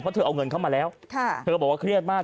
เพราะเธอเอาเงินเข้ามาแล้วเธอบอกว่าเครียดมาก